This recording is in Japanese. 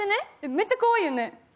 めっちゃかわいいよね。